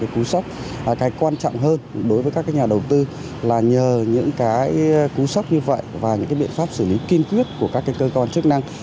cú sốc cái quan trọng hơn đối với các nhà đầu tư là nhờ những cái cú sốc như vậy và những biện pháp xử lý kiên quyết của các cơ quan chức năng